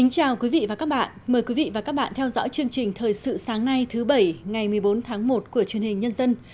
chào mừng quý vị đến với chương trình thời sự sáng nay thứ bảy ngày một mươi bốn tháng một của truyền hình nhân dân